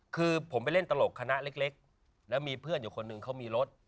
คือผมไปเล่นตลกคณะเล็กแล้วมีเพื่อนอยู่คนหนึ่งเขามีรถ